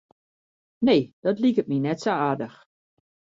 Nee, dat liket my net sa aardich.